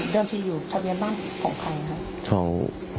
ที่อยู่ทะเบียนบ้านของใครครับ